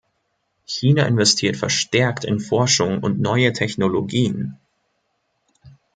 China investiert verstärkt in Forschung und neue Technologien.